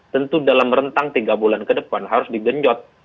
tentu dalam rentang tiga bulan ke depan harus digenjot